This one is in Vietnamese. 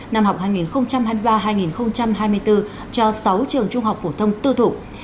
năm học hai nghìn hai mươi ba hai nghìn hai mươi bốn cho sáu trường trung học phổ thông tư thục